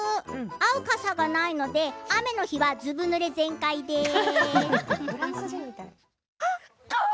合う傘がないので雨の日は、ずぶぬれ全開です。